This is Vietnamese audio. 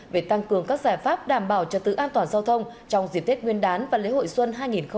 về tăng cường các giải pháp đảm bảo cho tự an toàn giao thông trong dịp tết nguyên đán và lễ hội xuân hai nghìn hai mươi bốn